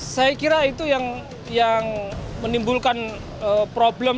saya kira itu yang menimbulkan problem